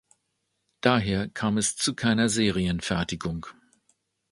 Daher kam es zu keiner Serienfertigung.